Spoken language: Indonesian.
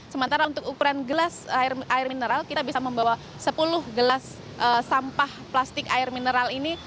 sementara untuk ukuran gelas air mineral kita bisa membawa sepuluh gelas sampah plastik air mineral ini